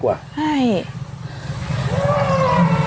กว่าใช่